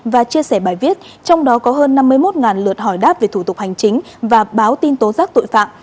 và chia sẻ bài viết trong đó có hơn năm mươi một lượt hỏi đáp về thủ tục hành chính và báo tin tố giác tội phạm